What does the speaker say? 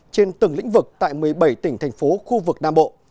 trên từng lĩnh vực tại một mươi bảy tỉnh thành phố khu vực nam bộ